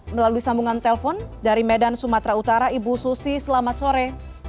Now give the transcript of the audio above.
melalui sambungan telpon dari medan sumatera utara ibu susi selamat sore